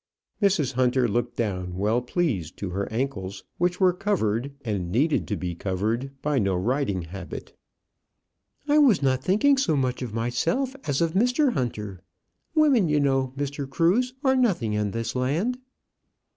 Mrs. Hunter looked down well pleased to her ancles, which were covered, and needed to be covered, by no riding habit. "I was not thinking so much of myself as of Mr. Hunter. Women, you know, Mr. Cruse, are nothing in this land."